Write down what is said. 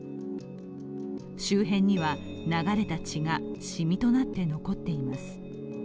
周辺には流れた血が染みとなって残っています。